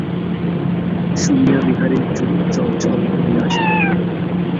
শুনিয়া বিহারীর চোখ ছলছল করিয়া আসিল।